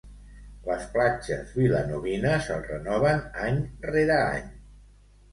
Les platges vilanovines el renoven any rere any.